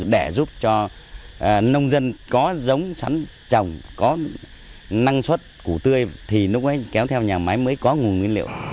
để giúp cho nông dân có giống sắn trồng có năng suất củ tươi thì lúc ấy kéo theo nhà máy mới có nguồn nguyên liệu